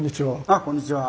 あっこんにちは。